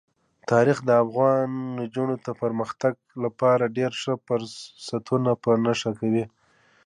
تاریخ د افغان نجونو د پرمختګ لپاره ډېر ښه فرصتونه په نښه کوي.